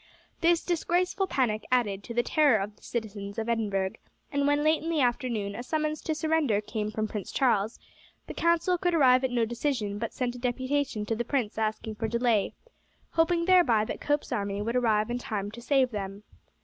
This disgraceful panic added to the terror of the citizens of Edinburgh, and when, late in the afternoon, a summons to surrender came in from Prince Charles, the council could arrive at no decision, but sent a deputation to the prince asking for delay, hoping thereby that Cope's army would arrive in time to save them.